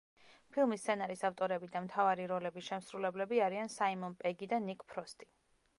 ფილმის სცენარის ავტორები და მთავარი როლების შემსრულებლები არიან საიმონ პეგი და ნიკ ფროსტი.